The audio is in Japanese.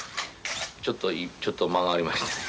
ちょっとちょっと間がありましてね。